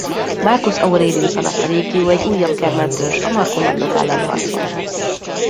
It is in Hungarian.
Marcus Aurelius alatt a légió egy újabb germán törzs a markomannok ellen harcolt.